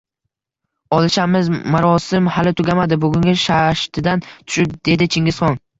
Olishamiz. Marosim hali tugamadi, – burungi shashtidan tushib dedi Chingizxon.